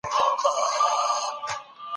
د خرقه شریفې زیارت ولي د کندهار لپاره مهم دی؟